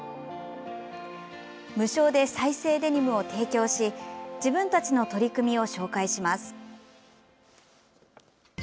無償で再生デニムを提供し自分たちの取り組みを紹介します。